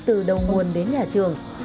từ đầu nguồn đến nhà trường